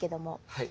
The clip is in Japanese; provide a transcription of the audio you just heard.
はい。